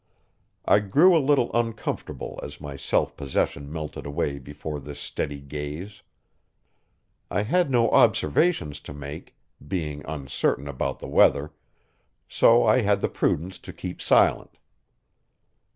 I grew a little uncomfortable as my self possession melted away before this steady gaze. I had no observations to make, being uncertain about the weather, so I had the prudence to keep silent.